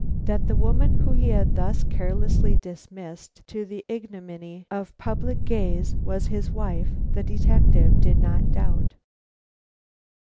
That the woman whom he had thus carelessly dismissed to the ignominy of the public gaze was his wife, the detective did not doubt.